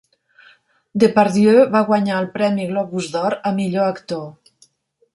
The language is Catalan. Depardieu va guanyar el premi Globus d'Or a millor actor.